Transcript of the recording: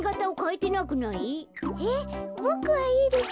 えっボクはいいですよ。